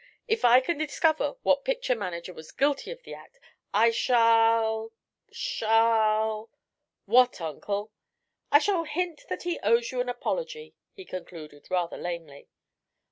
If I can discover what picture manager was guilty of the act, I shall shall " "What, Uncle?" "I shall hint that he owes you an apology," he concluded, rather lamely.